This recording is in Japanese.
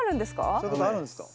そういうことあるんですか？